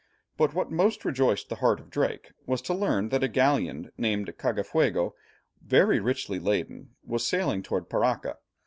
But what most rejoiced the heart of Drake was to learn that a galleon named the Cagafuego, very richly laden, was sailing towards Paraca.